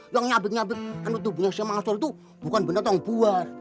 yang nyabik nyabik tubuhnya si mansur itu bukan binatang buas